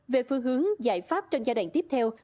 về phương hướng giải pháp trong giai đoạn tiếp theo